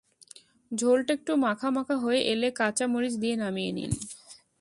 ঝোলটা একটু মাখা মাখা হয়ে এলে কাঁচা মরিচ দিয়ে নামিয়ে নিন।